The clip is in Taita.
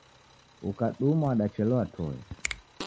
Ukadumwa wadachelewa toe.